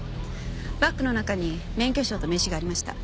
バッグの中に免許証と名刺がありました。